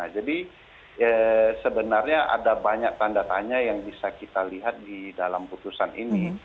jadi sebenarnya ada banyak tanda tanya yang bisa kita lihat di dalam putusan ini